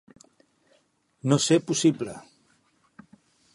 No ser possible.